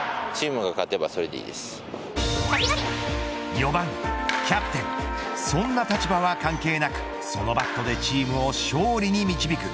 ４番、キャプテンそんな立場は関係なくそのバットでチームを勝利に導く。